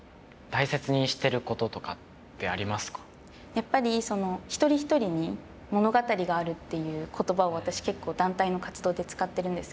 やっぱりその「一人一人に物語がある」っていう言葉を私結構団体の活動で使ってるんですけど。